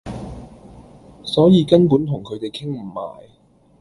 所以根本同佢地傾唔埋